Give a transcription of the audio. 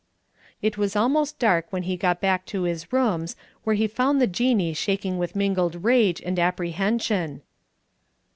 It was almost dark when he got back to his rooms, where he found the Jinnee shaking with mingled rage and apprehension.